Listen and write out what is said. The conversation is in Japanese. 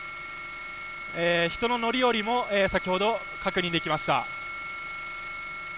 人の乗り降りも先ほど確認できました。